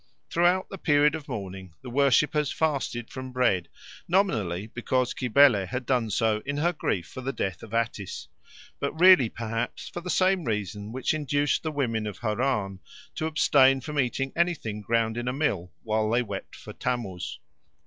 Throughout the period of mourning the worshippers fasted from bread, nominally because Cybele had done so in her grief for the death of Attis, but really perhaps for the same reason which induced the women of Harran to abstain from eating anything ground in a mill while they wept for Tammuz.